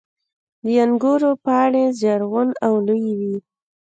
• د انګورو پاڼې زرغون او لویې وي.